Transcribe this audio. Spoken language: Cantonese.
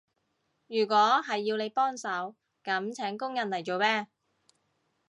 如果係要你幫手，噉請工人嚟做咩？